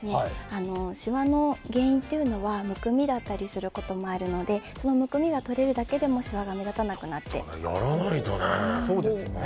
シワの原因というのはむくみだったりすることもあるのでそのむくみが取れるだけでもシワが目立たなくなります。